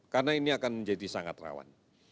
karena ini akan menjadi sangat rawan